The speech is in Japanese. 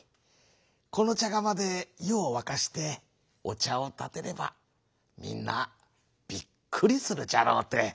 このちゃがまでゆをわかしておちゃをたてればみんなびっくりするじゃろうて。